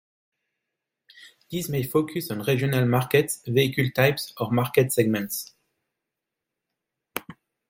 These may focus on regional markets, vehicle types, or market segments.